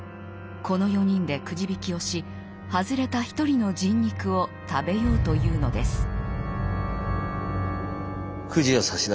この４人でくじ引きをし外れた１人の人肉を食べようというのです。